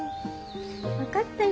分かったよ